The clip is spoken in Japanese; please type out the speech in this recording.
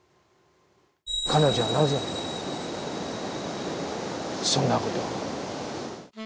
彼女はなぜ、そんなことを。